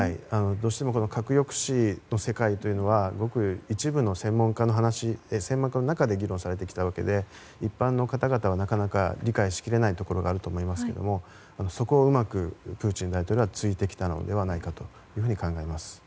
どうしても核抑止の世界というのはごく一部の専門家の中で議論されてきたわけで一般の方々はなかなか理解しきれないところがあると思いますけどもそこをうまくプーチン大統領は突いてきたのではないかというふうに考えます。